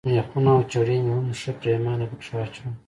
مېخونه او چرې مې هم ښه پرېمانه پکښې واچول.